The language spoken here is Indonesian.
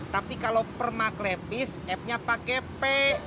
tapi kalau permaklevis f nya pake p